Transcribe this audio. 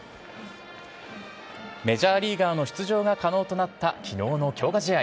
メジャーリーガーの出場が可能となったきのうの強化試合。